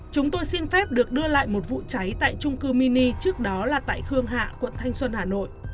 chúng tôi xin phép được đưa lại một vụ cháy tại trung cư mini trước đó là tại khương hạ quận thanh xuân hà nội